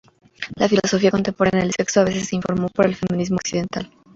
La filosofía contemporánea del sexo a veces se informó por el feminismo occidental.